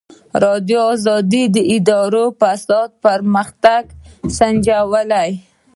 ازادي راډیو د اداري فساد پرمختګ سنجولی.